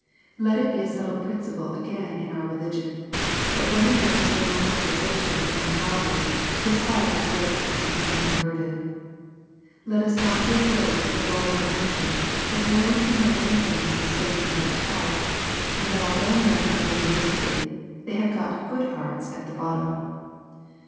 Let it be a settled principle again in our religion, that when a man's general conversation is ungodly, his heart is graceless and unconverted. Let us not give way to the vulgar notion, that no one can know anything of the state of another's heart, and that although men are living wickedly, they have got good hearts at the bottom.